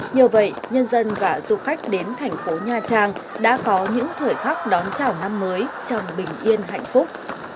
nhờ vậy nhân dân và du khách đến thành phố nha trang đã có những thời khắc đón chào năm mới trong bình yên hạnh phúc